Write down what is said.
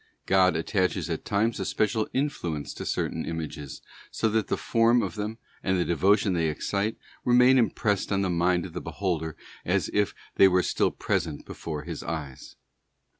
God attaches at times a special influence to certain images, so that the form of them, and the devotion they excite, remain impressed on the mind of the beholder as if they were still present before his eyes.